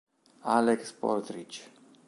Alex Partridge